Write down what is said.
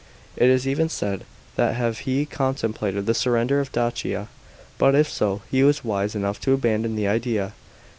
It is even said that he contemplated the surrender of Dacia, but if so, he was wise enough to abandon the idea.